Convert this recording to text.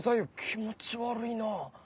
気持ち悪いな。